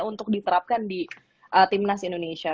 untuk diterapkan di timnas indonesia